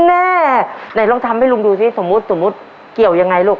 แม่ไหนลองทำให้ลุงดูสิสมมุติเกี่ยวยังไงลูก